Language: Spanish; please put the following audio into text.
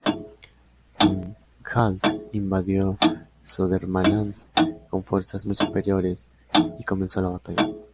Ingjald invadió Södermanland con fuerzas muy superiores y comenzó la batalla.